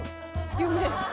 夢。